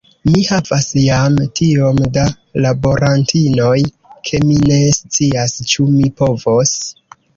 Mi havas jam tiom da laborantinoj, ke mi ne scias, ĉu mi povos.